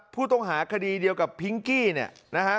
ผู้ต้องหาคดีเดียวกับพิงกี้เนี่ยนะฮะ